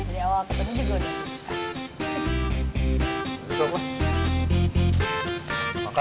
dari awal kebetulan juga udah sedih kan